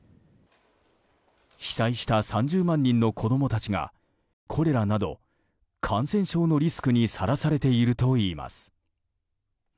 被災した３０万人の子供たちがコレラなど感染症のリスクにさらされているといいます。